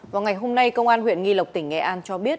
vào ngày hôm nay công an huyện nghi lộc tỉnh nghệ an cho biết